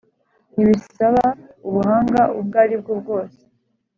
ntibisaba ubuhanga ubwo ari bwo bwose